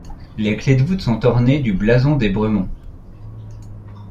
Les clefs de voûte sont ornées du blason des Bremond.